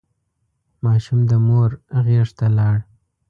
ماشوم د مور غېږ ته لاړ.